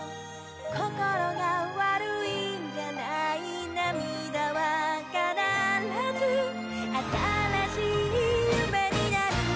「こころが悪いんじゃない」「涙はかならずあたらしい夢になる」